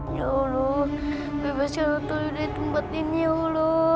ya allah bebaslah lo dari tempat ini ya allah